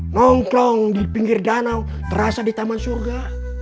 nongklong di pinggir danau terasa di taman surga